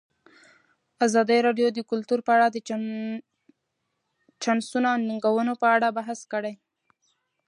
ازادي راډیو د کلتور په اړه د چانسونو او ننګونو په اړه بحث کړی.